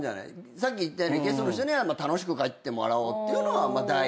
さっき言ったようにゲストの人には楽しく帰ってもらおうってのは第一。